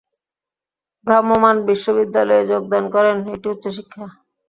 ভ্রাম্যমাণ বিশ্ববিদ্যালয়ে যোগদান করেন, এটি উচ্চশিক্ষা